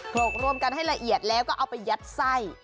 รกรวมกันให้ละเอียดแล้วก็เอาไปยัดไส้